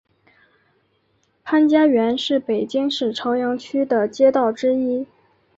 潘家园是北京市朝阳区的街道之一。